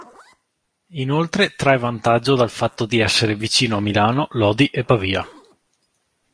Inoltre trae vantaggio dal fatto di essere vicino a Milano, Lodi e Pavia.